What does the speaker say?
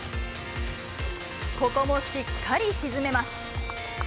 ここもしっかり沈めます。